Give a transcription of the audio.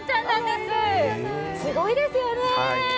すごいですよね。